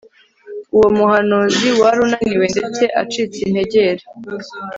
uwo muhanuzi wari unaniwe ndetse acitse integer